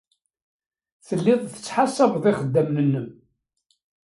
Telliḍ tettḥasabeḍ ixeddamen-nnem.